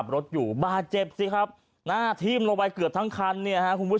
รถอยู่บาดเจ็บสิครับหน้าทิ้มลงไปเกือบทั้งคันเนี่ยฮะคุณผู้ชม